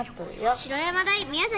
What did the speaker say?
白山大宮崎